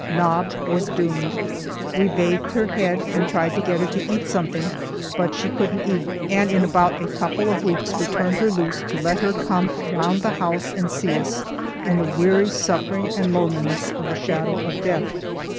Nob was doomed. We bathed her head and tried to get her to eat something, but she couldn't eat, and in about a couple of weeks we turned her loose to let her come around the house and see us in the weary suffering and loneliness of the shadow of death.